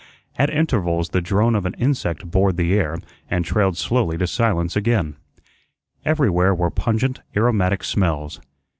At intervals the drone of an insect bored the air and trailed slowly to silence again. Everywhere were pungent, aromatic smells.